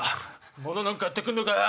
まだ何かやってくんのかよ？